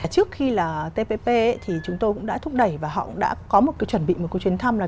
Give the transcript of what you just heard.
trước khi là tpp thì chúng tôi cũng đã thúc đẩy và họ cũng đã có một cái chuẩn bị một cuộc chiến thăm là